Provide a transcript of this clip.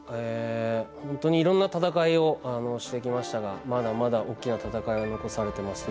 いろいろな戦いをしてきましたが、まだまだ大きな戦いが残されています。